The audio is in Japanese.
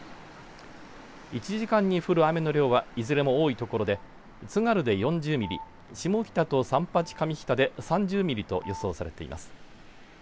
１時間に降る雨の量はいずれも多いところで津軽で４０ミリ下北と三八上北で３０ミリと予想されています。